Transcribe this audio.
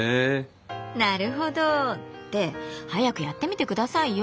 なるほど。って早くやってみてくださいよ。